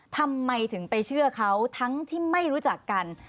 ทำไมถึงไปเชื่อเขาทั้งที่ไม่รู้จักกัน